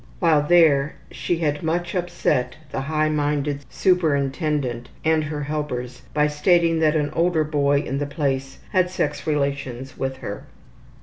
While there she had much upset the high minded superintendent and her helpers by stating that an older boy in the place had sex relations with her.